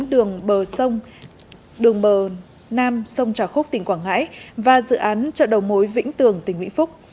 đường bờ nam sông trà khúc tỉnh quảng ngãi và dự án chợ đầu mối vĩnh tường tỉnh vĩnh phúc